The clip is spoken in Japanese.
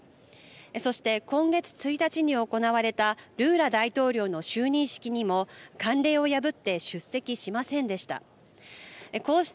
そして、今月１日に行われたルーラ大統領の就任式にも慣例を破って出席しませんでした。